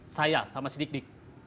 saya sama si dik dik